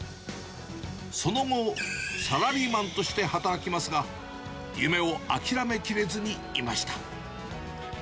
その後、サラリーマンとして働きますが、夢を諦めきれずにいました。